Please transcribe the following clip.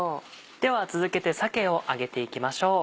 では続けて鮭を揚げていきましょう。